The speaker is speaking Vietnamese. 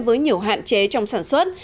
với nhiều hạn chế trong sản xuất